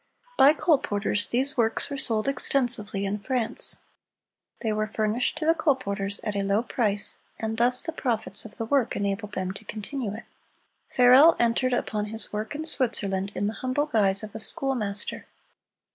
By colporteurs, these works were sold extensively in France. They were furnished to the colporteurs at a low price, and thus the profits of the work enabled them to continue it. Farel entered upon his work in Switzerland in the humble guise of a schoolmaster.